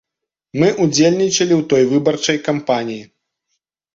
Мы ўдзельнічалі ў той выбарчай кампаніі.